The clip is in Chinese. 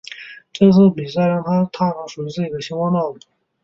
这次比赛让她踏上属于自己的星光道路。